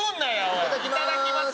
いただきます。